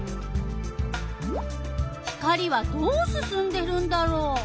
光はどうすすんでるんだろう？